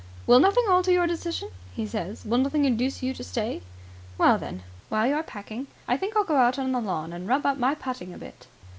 "Will nothing alter your decision?" he says. "Will nothing induce you to stay? Well, then, while you're packing, I think I'll go out on the lawn and rub up my putting a bit."